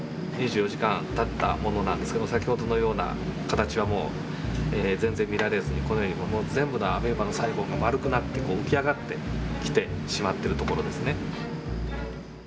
２４時間たったものなんですけど先ほどのような形はもう全然見られずにこのように全部のアメーバの細胞が丸くなって浮き上がってきてしまっているところですね。